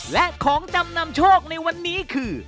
และของจำนำโชคในวันนี้คือ